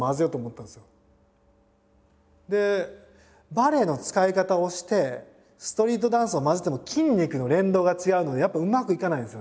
バレエの使い方をしてストリートダンスを混ぜても筋肉の連動が違うのでやっぱうまくいかないんですよね。